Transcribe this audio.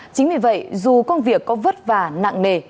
chính vì vậy dù công việc có vất vả nặng nề